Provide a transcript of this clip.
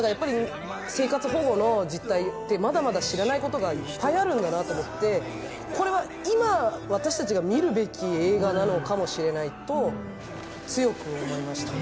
生活保護の実態ってまだまだ知らないことがいっぱいあるんだなと思ってこれは今、私たちが見るべき映画なのかもしれないと強く思いましたね。